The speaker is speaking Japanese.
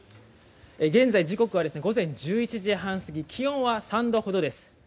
現在時刻は午前１１時半過ぎ気温は３度ほどです。